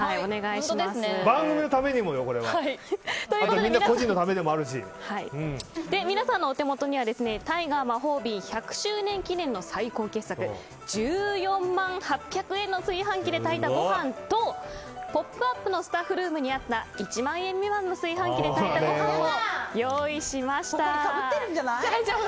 番組のためにもよ、これは。ということで皆さんのお手元にはタイガー魔法瓶１００周年記念の最高傑作１４万８００円の炊飯器で炊いたご飯と「ポップＵＰ！」のスタッフルームにあった１万円未満の炊飯器で炊いたご飯を用意しました。